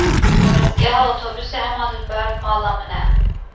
Rawestgeha otobûsê hema li ber mala min e.